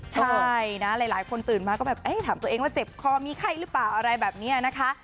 ใช่นะหลายคนตื่นมาก็แบบถามตัวเองว่าเจ็บคอมีไข้หรือเปล่าอะไรแบบนี้นะคะ